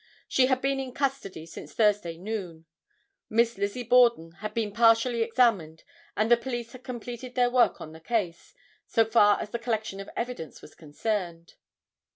She had been in custody since Thursday noon. Miss Lizzie Borden had been partially examined, and the police had completed their work on the case, so far as the collection of evidence was concerned.